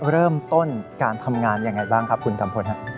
เริ่มต้นการทำงานอย่างไรบ้างครับคุณกัมพลครับ